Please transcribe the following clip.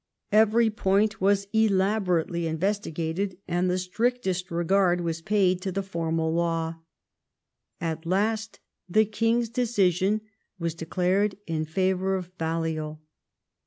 Every point was elaborately investigated, and the strictest regard was paid to the formal law. At last the king's decision was declared in favour of Balliol.